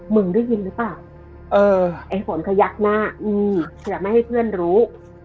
ได้ยินหรือเปล่าเออไอ้ฝนขยักหน้าเผื่อไม่ให้เพื่อนรู้